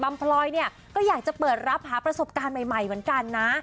พลอยเนี่ยก็อยากจะเปิดรับหาประสบการณ์ใหม่เหมือนกันนะ